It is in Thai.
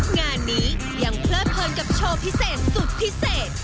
งานนี้ยังเพลิดเพลินกับโชว์พิเศษสุดพิเศษ